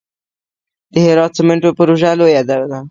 د هرات سمنټو پروژه لویه ده